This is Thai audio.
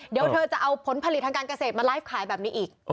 เดี๋ยวเธอจะเอาผลผลิตทางการเกษตรมาไลฟ์ขายแบบนี้อีก